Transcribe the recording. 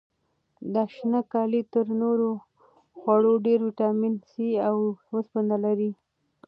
دا شنه کالي تر نورو خوړو ډېر ویټامین سي او وسپنه لري.